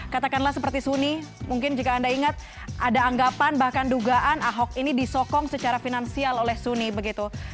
katakanlah seperti suni mungkin jika anda ingat ada anggapan bahkan dugaan ahok ini disokong secara finansial oleh suni begitu